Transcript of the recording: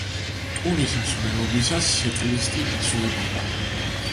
ტურის მსვლელობისას სეტლისტი იცვლებოდა.